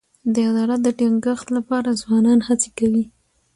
د عدالت د ټینګښت لپاره ځوانان هڅي کوي.